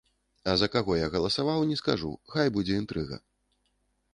А за каго я галасаваў, не скажу, хай будзе інтрыга.